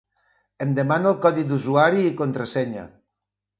Em demana el codi d'usuari i contrasenya.